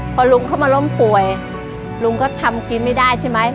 พอลุงเข้ามาล้มป่วยลุงก็ทำกินไม่ได้ใช่ไหม